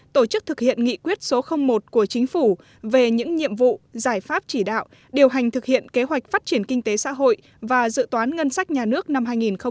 tổ chức thực hiện nghị quyết số một của chính phủ về những nhiệm vụ giải pháp chỉ đạo điều hành thực hiện kế hoạch phát triển kinh tế xã hội và dự toán ngân sách nhà nước năm hai nghìn một mươi chín